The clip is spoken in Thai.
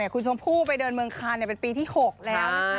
คุณชมพู่ไปเดินเมืองคานเป็นปีที่๖แล้วนะคะ